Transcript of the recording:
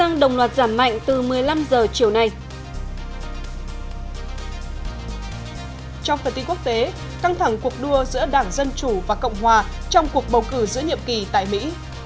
trong phần tin quốc tế căng thẳng cuộc đua giữa đảng dân chủ và cộng hòa trong cuộc bầu cử giữa nhiệm kỳ tại mỹ